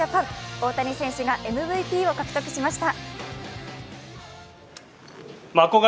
大谷選手がＭＶＰを獲得しました。